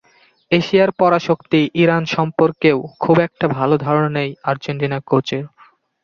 এশিয়ার পরাশক্তি ইরান সম্পর্কেও খুব একটা ভালো ধারণা নেই আর্জেন্টিনা কোচের।